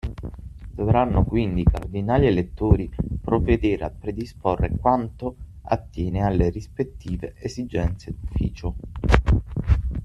Dovranno quindi i Cardinali elettori provvedere a predisporre quanto attiene alle rispettive esigenze d'ufficio